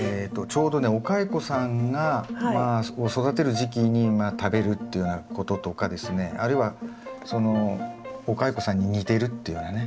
ちょうどねお蚕さんを育てる時期に食べるっていうようなこととかですねあるいはそのお蚕さんに似てるっていうようなね